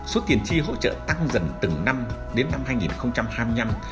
số tiền chi hỗ trợ tăng dần từng năm đến năm hai nghìn hai mươi năm